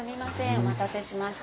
お待たせしました。